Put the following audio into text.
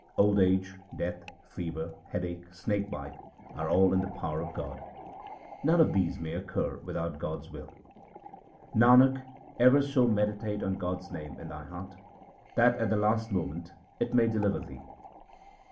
Old age, death, fever, headache, snakebite are all in the power of God. None of these may occur without God's will. Nanak, ever so meditate on God's name in thy heart, that at the last moment it may deliver thee.